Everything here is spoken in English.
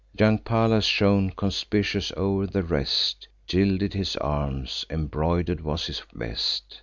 Young Pallas shone conspicuous o'er the rest; Gilded his arms, embroider'd was his vest.